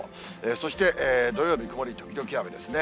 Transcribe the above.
そして土曜日、曇り時々雨ですね。